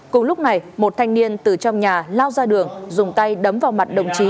cùng lúc này một thanh niên từ trong nhà lao ra đường dùng tay đấm vào mặt đồng chí